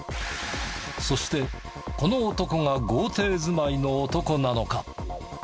そしてこの男が豪邸住まいの男なのか？